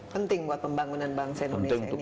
penting buat pembangunan bangsa indonesia ini